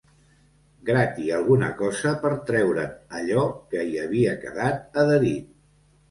Grati alguna cosa per treure'n allò que hi havia quedat adherit.